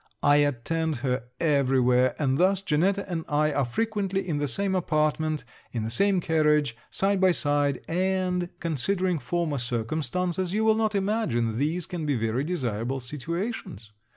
I attend her every where, and thus Janetta and I are frequently in the same apartment, in the same carriage, side by side; and, considering former circumstances, you will not imagine these can be very desirable situations.